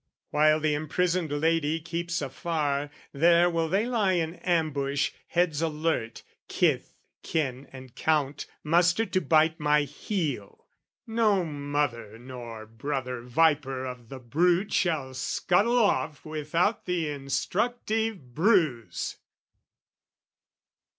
"While the imprisoned lady keeps afar, "There will they lie in ambush, heads alert, "Kith, kin, and Count mustered to bite my heel. "No mother nor brother viper of the brood "Shall scuttle off without the instructive bruise!"